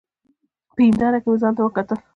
په هېنداره کي مي ځانته وکتل !